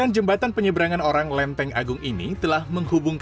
jembatan penyeberangan orang lenteng agung